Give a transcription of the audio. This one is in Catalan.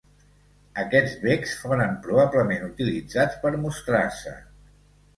Aquests becs foren probablement utilitzats per mostrar-se.